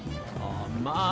あまあ１